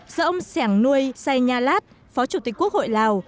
do ông sẻng nui say nha lát phó chủ tịch quốc hội lào